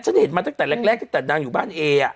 ฉันเห็นมาตั้งแต่แรกตั้งแต่นางอยู่บ้านเอ